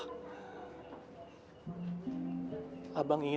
abang ingin berpikir pikir